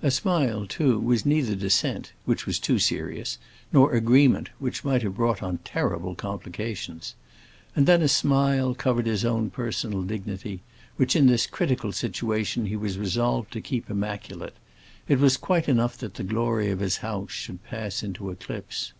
A smile, too, was neither dissent—which was too serious—nor agreement, which might have brought on terrible complications. And then a smile covered his own personal dignity, which in this critical situation he was resolved to keep immaculate; it was quite enough that the glory of his house should pass into eclipse.